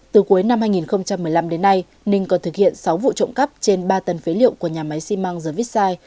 từ cuối năm hai nghìn một mươi năm đến nay ninh còn thực hiện sáu vụ trộm cắp trên ba tấn phế liệu của nhà máy xi măng the visite